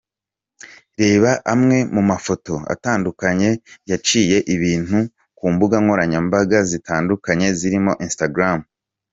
Reba amwe mu mafoto atandukanye yaciye ibintu ku mbuga nkoranyambaga zitandukanye zirimo Instagram .